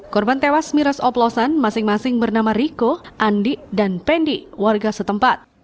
korban tewas miras oplosan masing masing bernama riko andi dan pendi warga setempat